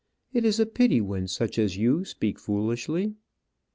It is a pity when such as you speak foolishly."